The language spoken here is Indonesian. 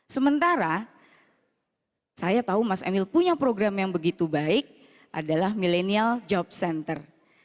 sementara saya tahu mas emil punya program yang begitu baik adalah millennial job center